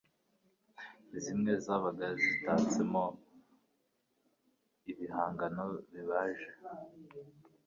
zimwe zabaga zitatsemo ibihangano bibajwe